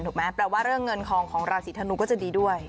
แปลว่าเรื่องเงินทองของราศีธนูก็จะดีด้วย